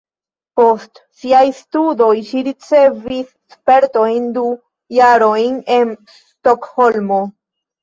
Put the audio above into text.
Post siaj studoj ŝi ricevis spertojn du jarojn en Stokholmo.